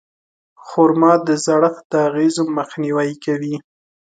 خرما د زړښت د اغېزو مخنیوی کوي.